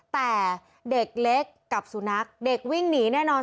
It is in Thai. แต่เด็กเล็กกับสุนัขเด็กวิ่งหนีแน่นอน